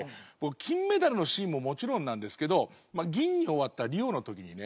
金メダルのシーンももちろんなんですけど銀に終わったリオの時にね